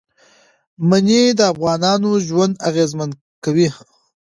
منی د افغانانو ژوند اغېزمن کوي.